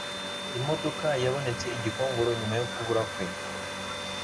Imodoka Yabonetse I gikongoro Nyuma yo Kubura kwe